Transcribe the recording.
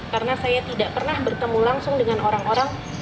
karena saya tidak pernah bertemu langsung dengan orang orang